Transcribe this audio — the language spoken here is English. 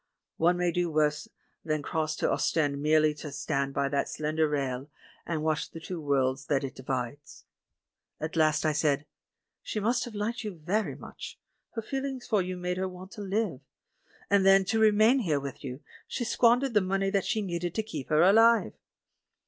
One may do worse than cross to Ostend merely to stand by that slender rail and watch the two worlds that it divides. At last I said: "She must have liked you very much : her feelings for you made her want to live '.— and then, to remain here with you, she squan dered the money that she needed to keep her alive!"